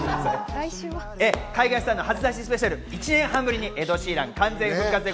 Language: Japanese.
海外スターの初出しスペシャル、１年半ぶりにエド・シーラン完全復活です。